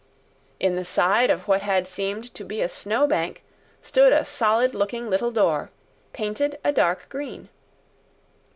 In the side of what had seemed to be a snow bank stood a solid looking little door, painted a dark green.